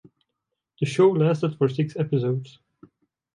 The show lasted for six episodes.